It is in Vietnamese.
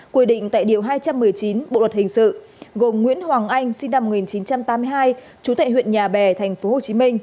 quy định tại điều hai trăm một mươi chín bộ luật hình sự gồm nguyễn hoàng anh sinh năm một nghìn chín trăm tám mươi hai chú tệ huyện nhà bè tp hcm